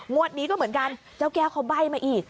นี้ก็เหมือนกันเจ้าแก้วเขาใบ้มาอีก